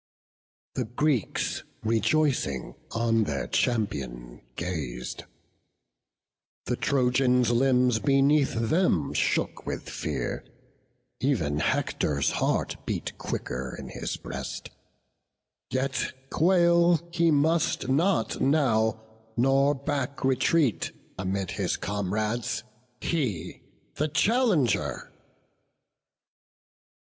The Greeks, rejoicing, on their champion gaz'd, The Trojans' limbs beneath them shook with fear; Ev'n Hector's heart beat quicker in his breast; Yet quail he must not now, nor back retreat Amid his comrades—he, the challenger!